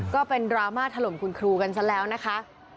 ก็เป็นดราม่าถล่มคุณครูกันซะแล้วนะคะ